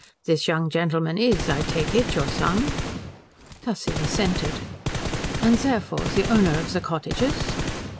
This young gentleman is, I take it, your son?" Tussie assented. "And therefore the owner of the cottages?"